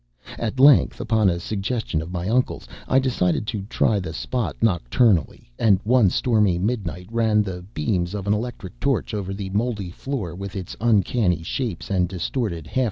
At length, upon a suggestion of my uncle's, I decided to try the spot nocturnally; and one stormy midnight ran the beams of an electric torch over the moldy floor with its uncanny shapes and distorted, half phosphorescent fungi.